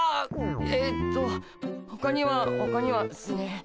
えっとほかにはほかにはっすね